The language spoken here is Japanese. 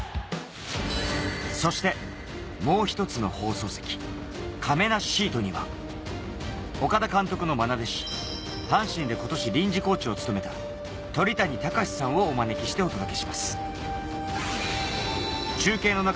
そしてもう一つの放送席・かめなシートには、岡田監督のまな弟子、阪神で今年、臨時コーチを務めた鳥谷敬さんをＳＯＭＰＯ当たった！えっ？